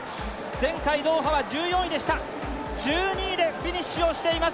前回ドーハは１４位でした１２位でフィニッシュをしています